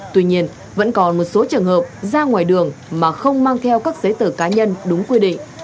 tuy nhiên vẫn còn một số trường hợp ra ngoài đường mà không mang theo các giấy tờ cá nhân đúng quy định